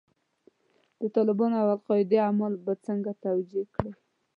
د طالبانو او القاعده اعمال به څرنګه توجیه کړې.